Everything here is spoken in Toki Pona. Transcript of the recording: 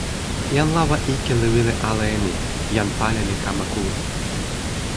jan lawa ike li wile ala e ni: jan pali li kama kulupu.